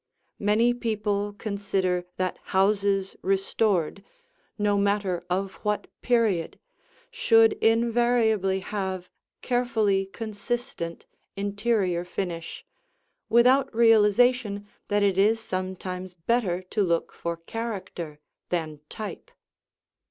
Many people consider that houses restored, no matter of what period, should invariably have carefully consistent interior finish, without realization that it is sometimes better to look for character than type.